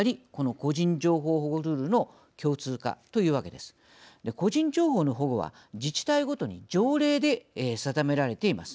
個人情報の保護は、自治体ごとに条例で定められています。